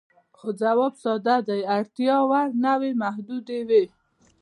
ځواب ساده دی، اړتیا وړ نوعې محدودې وې.